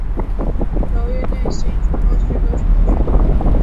流域内形成了许多冲积扇。